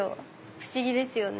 不思議ですよね。